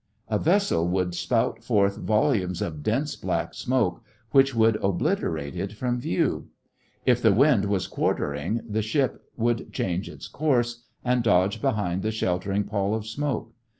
A vessel would spout forth volumes of dense black smoke which would obliterate it from view. (See Fig. 19.) If the wind was quartering, the ship would change its course and dodge behind the sheltering pall of smoke.